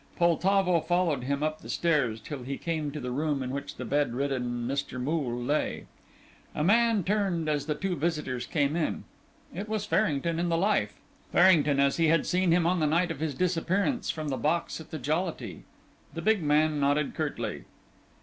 Poltavo followed him up the stairs till he came to the room in which the bedridden Mr. Moole lay. A man turned as the two visitors came in it was Farrington in the life, Farrington as he had seen him on the night of his disappearance from the box at the Jollity. The big man nodded curtly.